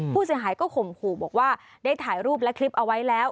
ผู้เสียหายก็ข่มขู่บอกว่าได้ถ่ายรูปและคลิปเอาไว้แล้ว